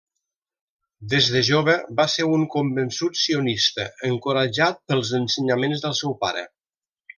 Des de jove va ser un convençut sionista encoratjat pels ensenyaments del seu pare.